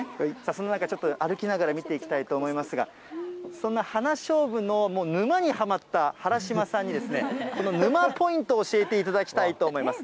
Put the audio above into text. そんな中、歩きながら見ていきたいと思いますが、そんな花しょうぶの沼にはまった原嶋さんにですね、この沼ポイントを教えていただきたいと思います。